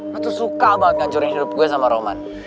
aku tuh suka banget ngancurin hidup gue sama roman